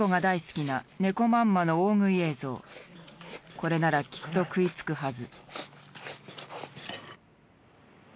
これならきっと食いつくはず。